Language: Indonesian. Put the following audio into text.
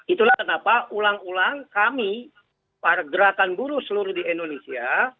itulah kenapa ulang ulang kami para gerakan buruh seluruh di indonesia